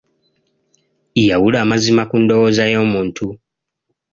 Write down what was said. Yawula amazima ku ndowooza y'omuntu.